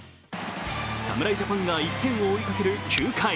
侍ジャパンが１点を追いかける９回。